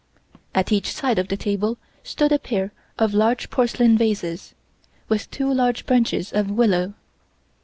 At each side of the table stood a pair of large porcelain vases, with two large branches of willow.